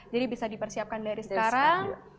jadi bisa dipersiapkan dari sekarang